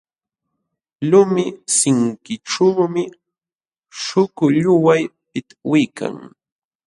Lumi sinkićhuumi śhukulluway pitwiykan.